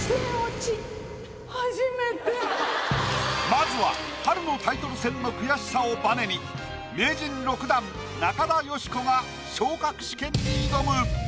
まずは春のタイトル戦の悔しさをバネに名人６段中田喜子が昇格試験に挑む。